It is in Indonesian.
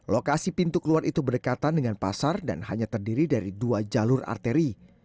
lokasi pintu keluar itu berdekatan dengan pasar dan hanya terdiri dari dua jalur arteri